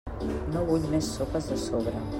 No vull més sopes de sobre.